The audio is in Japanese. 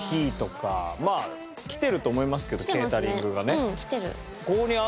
まあ来てると思いますけどケータリングがね。来てますね。